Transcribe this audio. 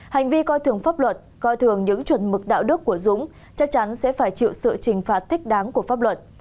hành vi coi thường pháp luật coi thường những chuẩn mực đạo đức của dũng chắc chắn sẽ phải chịu sự trừng phạt thích đáng của pháp luật